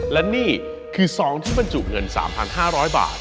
และนี่คือซองที่บรรจุเงิน๓๕๐๐บาท